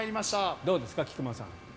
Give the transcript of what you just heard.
どうですか、菊間さん。